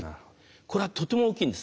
これはとても大きいんです。